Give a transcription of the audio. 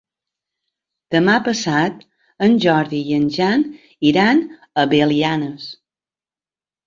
Demà passat en Jordi i en Jan iran a Belianes.